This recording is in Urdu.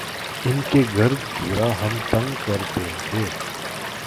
ان کے گرد گھیرا ہم تنگ کر دیں گے۔